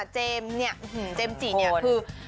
เจมส์เนี่ยเจมส์จี้เนี่ยคือ